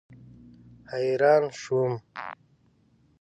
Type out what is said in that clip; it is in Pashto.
حیران شوم.